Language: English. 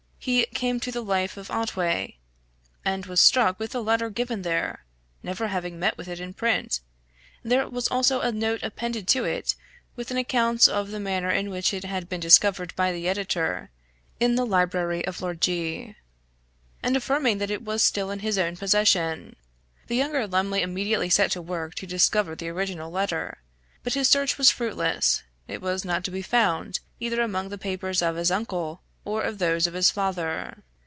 he came to the life of Otway, and was struck with the letter given there, never having met with it in print; there was also a note appended to it with an account of the manner in which it had been discovered by the editor, in the library of Lord G , and affirming that it was still in his own possession. The younger Lumley immediately set to work to discover the original letter, but his search was fruitless; it was not to be found either among the papers of his uncle, or those of his father.